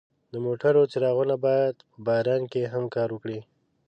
د موټرو څراغونه باید په باران کې هم کار وکړي.